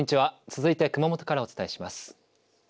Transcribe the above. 続いて、熊本からお伝えします。